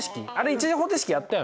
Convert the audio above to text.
１次方程式やったよね？